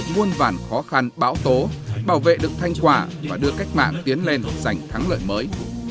đảng có được nguồn vạn khó khăn bão tố bảo vệ được thanh quả và đưa cách mạng tiến lên dành thắng lợi mới